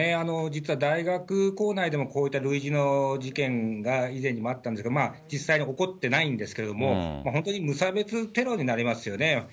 実は大学構内でも、こういった類似の事件が以前にもあったんですが、実際に起こってないんですけども、本当に無差別テロになりますよね。